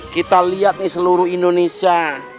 kita lihat nih seluruh indonesia